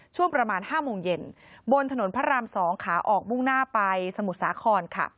ช่วงประมาณ๕โมงเย็นบนถนนพระราม๒ขาออกมุ่งหน้าไปสมุทรสาครค่ะ